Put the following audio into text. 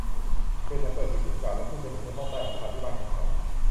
เจสันเปิดหีบที่เก่าและขึ้นสนิมในห้องใต้หลังคาที่บ้านของเขา